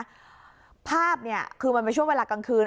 วิบอยู่นะภาพเนี่ยคือมันไปช่วงเวลากลางคืน